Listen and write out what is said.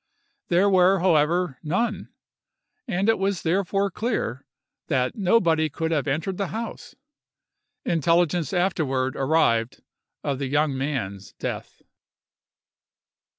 There were, however, none,—and it was therefore clear that nobody could have entered the house. Intelligence afterward arrived of the young man's death.